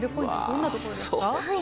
どんなところですか？